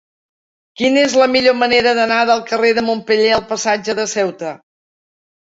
Quina és la millor manera d'anar del carrer de Montpeller al passatge de Ceuta?